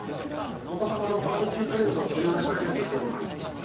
お子様のバーベキュープレートを無料でプレゼントしております。